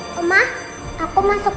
tidak ada anting itu